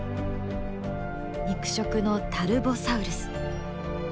肉食のタルボサウルス。